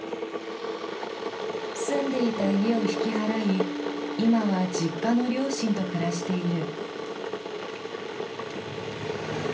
住んでいた家を引き払い今は実家の両親と暮らしている。